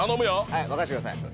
はい任せてください。